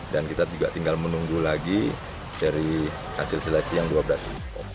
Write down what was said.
dan kita juga tinggal menunggu lagi dari hasil seleksi yang dua berarti